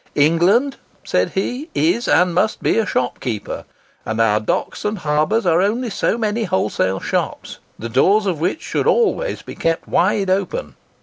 "England," said he, "is, and must be a shopkeeper; and our docks and harbours are only so many wholesale shops, the doors of which should always be kept wide open."